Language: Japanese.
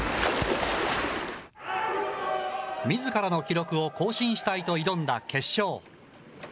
みずからの記録を更新したいと挑んだ決勝。